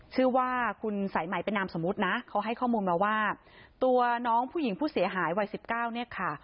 ชื่อว่าคุณสายไหมเป็นนามสมมุตินะเขาให้ข้อมูลมาว่าตัวน้องผู้หญิงผู้เสียหายวัยสิบเก้าเนี่ยค่ะ